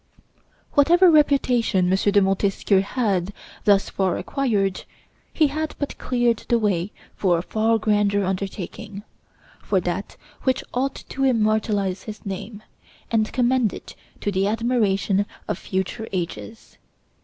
Whatever reputation M. de Montesquieu had thus far acquired, he had but cleared the way for a far grander undertaking for that which ought to immortalize his name, and commend it to the admiration of future ages.